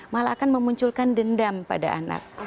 malah akan memunculkan dendam pada anak